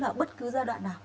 bất cứ giai đoạn nào